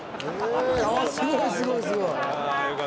すごいすごいすごい。